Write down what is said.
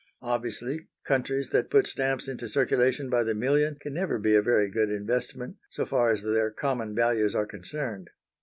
Obviously, countries that put stamps into circulation by the million can never be a very good investment, so far as their common values are concerned.